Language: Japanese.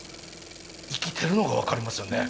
生きてるのが分かりますよね。